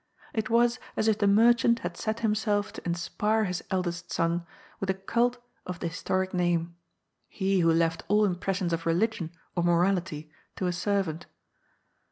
It was as if the merchant had set himself to inspire his eldest son with a cult of the historic name, he who left all impressions of religion or morality to a servant.